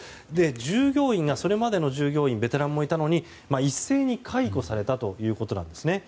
従業員がそれまでの従業員はベテランもいたのに一斉に解雇されたということです。